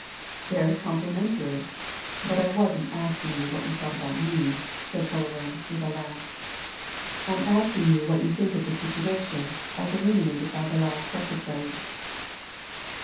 "Very complimentary! but I wasn't asking you what you thought about me," said Fullaway, with a laugh. "I'm asking you what you think of the situation, as illuminated by this last episode?"